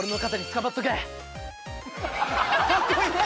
かっこいい！